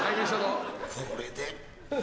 これで。